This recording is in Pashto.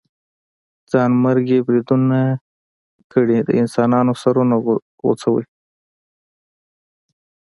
ځانمرګي بريدونه کړئ د انسانانو سرونه غوڅوئ.